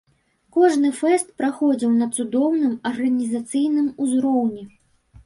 Кожны фэст праходзіў на цудоўным арганізацыйным узроўні.